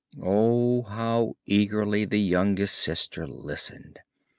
Oh, how eagerly the youngest sister listened!